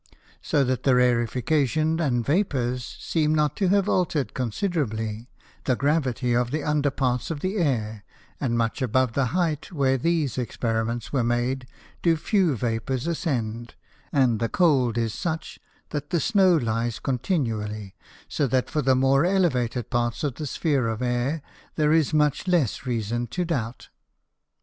So that the Rarifaction and Vapours seem not to have alter'd considerably, the Gravity of the under Parts of the Air; and much above the height where these Experiments were made, do few Vapours ascend, and the Cold is such that the Snow lies continually, so that for the more elevated Parts of the Sphere of Air, there is much less Reason to doubt.